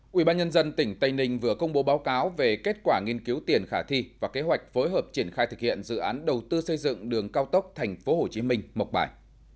quỹ ban nhân dân tỉnh tây ninh vừa công bố báo cáo về kết quả nghiên cứu tiền khả thi và kế hoạch phối hợp triển khai thực hiện dự án đầu tư xây dựng đường cao tốc tp hcm mộc bài